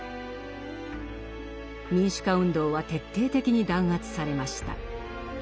民主化運動は徹底的に弾圧されました。